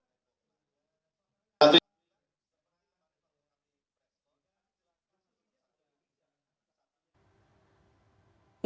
sosialisasi tempol kemarin